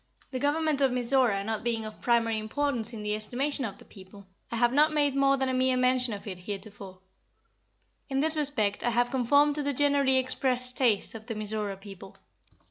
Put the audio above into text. The Government of Mizora not being of primary importance in the estimation of the people, I have not made more than a mere mention of it heretofore. In this respect I have conformed to the generally expressed taste of the Mizora people.